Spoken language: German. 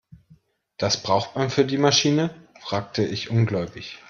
Das braucht man für die Maschine?, fragte ich ungläubig.